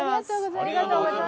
ありがとうございます。